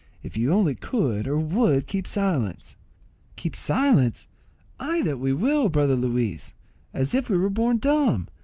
If you only could or would keep silence—" "Keep silence! Ay that we will, brother Luis, as if we were born dumb.